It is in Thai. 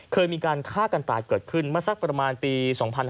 เคยมีการฆ่ากันตายเกิดขึ้นมาสักประมาณปี๒๕๕๙